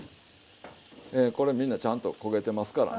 ええこれみんなちゃんと焦げてますからね。